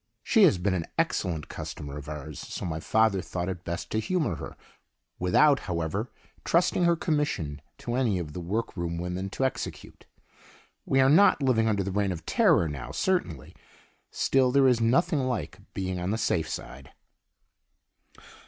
She has been an excellent customer of ours, so my father thought it best to humor her, without, however, trusting her commission to any of the workroom women to execute. We are not living under the Reign of Terror now, certainly; still there is nothing like being on the safe side.